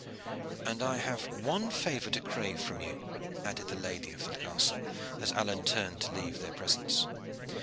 "And I have one favor to crave from you," added the lady of the castle, as Alleyne turned to leave their presence.